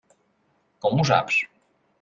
Com ho saps?